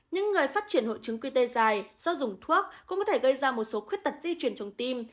những người phát triển hộ trứng quy tê dài do dùng thuốc cũng có thể gây ra một số khuyết tật di chuyển trong tim